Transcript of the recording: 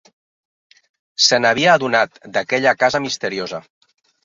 Se'n havia adonat, d'aquella casa misteriosa